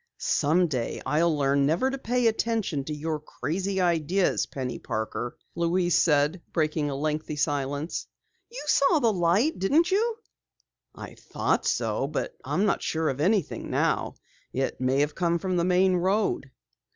"Someday I'll learn never to pay attention to your crazy ideas, Penny Parker," Louise said, breaking a lengthy silence. "You saw the light, didn't you?" "I thought so, but I'm not sure of anything now. It may have come from the main road."